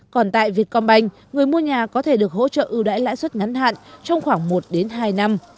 còn tại việt công banh người mua nhà có thể được hỗ trợ ưu đãi lãi suất ngắn hạn trong khoảng một hai năm